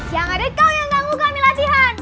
yang ada kau yang ganggu kami latihan